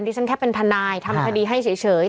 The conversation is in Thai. ฉันแค่เป็นทนายทำคดีให้เฉย